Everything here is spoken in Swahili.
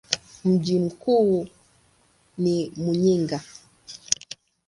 Mji mkuu ni Muyinga.